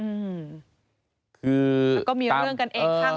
ก็มีการออกรูปรวมปัญญาหลักฐานออกมาจับได้ทั้งหมด